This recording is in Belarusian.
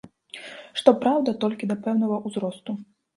Што праўда, толькі да пэўнага ўзросту.